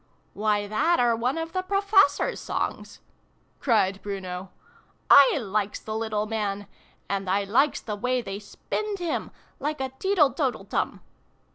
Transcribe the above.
' "Why, that are one of the Professors songs !" cried Bruno. " I likes the little man ; and I likes the way they spinned him like a teetle totle tum."